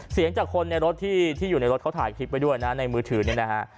เสียงจากคนในรถที่อยู่ในรถเขาถ่ายคลิปไว้ด้วยนะในมือถือนี่นะฮะ